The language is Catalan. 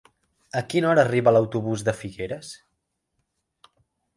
A quina hora arriba l'autobús de Figueres?